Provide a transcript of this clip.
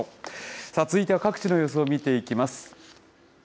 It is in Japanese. さあ、続いては各地の様子を見ていきます。